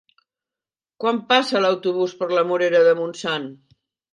Quan passa l'autobús per la Morera de Montsant?